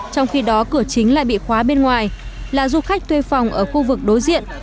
trong khi đó cửa chính lại bị khóa bên ngoài là du khách thuê phòng ở khu vực đối diện